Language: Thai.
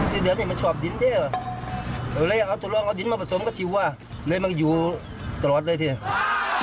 ที่เดือนนี่มันชอบดินเท่าะและอยากเอาดินมาผสมก็ชิวว่าเลยมันอยู่ตลอดเลยเท่าไหร่